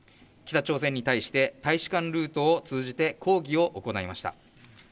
北朝鮮に対して大使館ルートを通じて抗議を行いました。